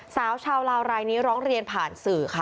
สาวชาวลาวรายนี้ร้องเรียนผ่านสื่อค่ะ